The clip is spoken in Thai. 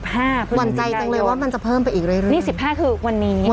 หวั่นใจจังเลยว่ามันจะเพิ่มไปอีกเรื่อยนี่๑๕คือวันนี้